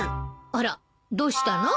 あらどうしたの？